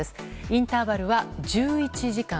インターバルは１１時間。